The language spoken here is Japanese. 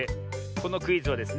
このクイズはですね